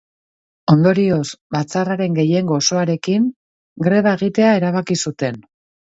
Ondorioz, batzarraren gehiengo osoarekin greba egitea erabaki zuten.